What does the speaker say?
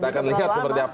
kita akan lihat seperti apa